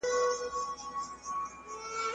که ميرمن د پلار په کور کي په خدمت کولو راضي وه.